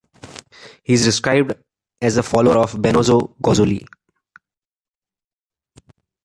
He is described as a follower of Benozzo Gozzoli.